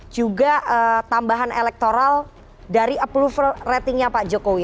juga tambahan elektoral dari approval ratingnya pak jokowi